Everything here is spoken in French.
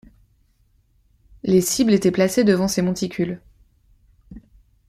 Les cibles étaient placées devant ces monticules.